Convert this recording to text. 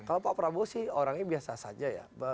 kalau pak prabowo sih orangnya biasa saja ya